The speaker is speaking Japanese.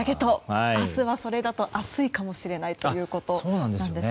明日はそれだと暑いかもしれないそうです。